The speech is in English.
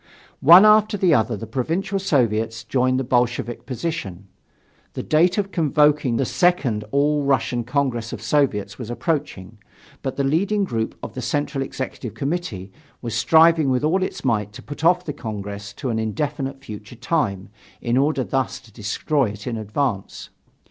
One after the other the Provincial Soviets joined the Bolshevik position. The date of convoking the Second All Russian Congress of Soviets was approaching. But the leading group of the Central Executive Committee was striving with all its might to put off the Congress to an indefinite future time, in order thus to destroy it in advance.